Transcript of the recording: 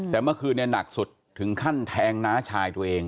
แต่เมื่อคืนนี้หนักสุดถึงขั้นแทงน้าชายตัวเอง